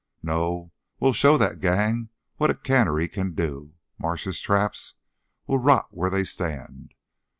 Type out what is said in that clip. "No! We'll show that gang what a cannery can do. Marsh's traps will rot where they stand."